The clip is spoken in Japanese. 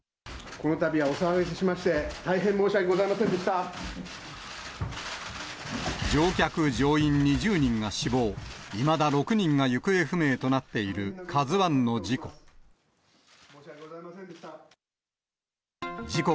このたびはお騒がせしまして、乗客・乗員２０人が死亡、いまだ６人が行方不明となっているＫＡＺＵＩの事故。